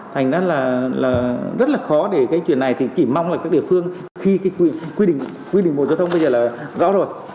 thành ra là rất là khó để cái chuyện này thì chỉ mong là các địa phương khi quy định bộ giao thông bây giờ là rõ rồi